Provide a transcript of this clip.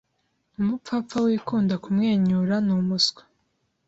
Umupfapfa wikunda kumwenyura numuswa